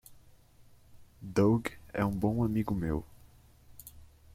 Doug é um bom amigo meu.